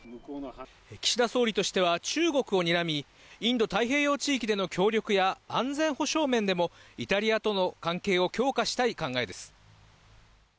岸田総理としては中国をにらみ、インド太平洋地域での協力や、安全保障面でもイタリアとの関係を強化したい考えです。